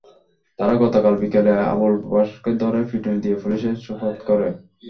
তারা গতকাল বিকেলে আবুল বাশারকে ধরে পিটুনি দিয়ে পুলিশে সোপর্দ করে।